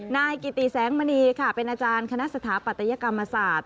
นายกิติแสงมณีค่ะเป็นอาจารย์คณะสถาปัตยกรรมศาสตร์